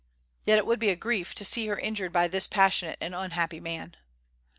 Yet it would be a grief to see her injured by this passionate and unhappy man.